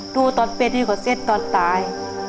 ดูตอนเป็นกว่าเส้นตอนตาย